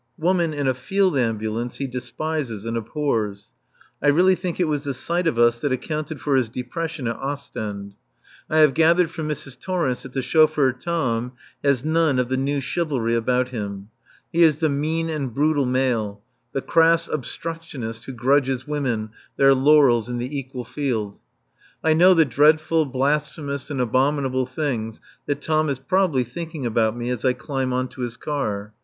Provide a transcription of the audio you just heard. Woman in a field ambulance he despises and abhors. I really think it was the sight of us that accounted for his depression at Ostend. I have gathered from Mrs. Torrence that the chauffeur Tom has none of the New Chivalry about him. He is the mean and brutal male, the crass obstructionist who grudges women their laurels in the equal field. I know the dreadful, blasphemous and abominable things that Tom is probably thinking about me as I climb on to his car.